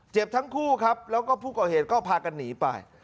ทั้งคู่ครับแล้วก็ผู้ก่อเหตุก็พากันหนีไป